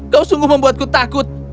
kau sungguh membuatku takut